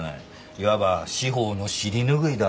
いわば司法の尻拭いだ。